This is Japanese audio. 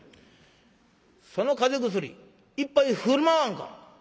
その風邪薬一杯振る舞わんか」。